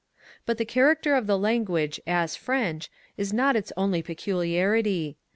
But the character of the language as Frencli is not its only peculiarity.